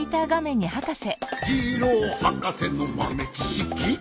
「ジローはかせのまめちしき」